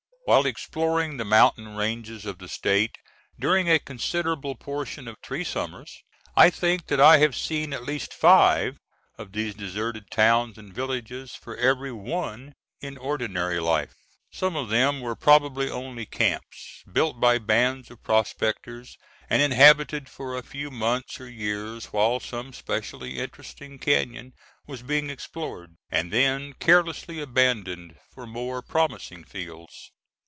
While exploring the mountain ranges of the State during a considerable portion of three summers, I think that I have seen at least five of these deserted towns and villages for every one in ordinary life. Some of them were probably only camps built by bands of prospectors, and inhabited for a few months or years, while some specially interesting cañon was being explored, and then carelessly abandoned for more promising fields.